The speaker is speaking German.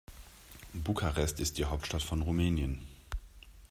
Bukarest ist die Hauptstadt von Rumänien.